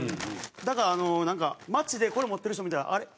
だからなんか街でこれ持ってる人見たらあれ？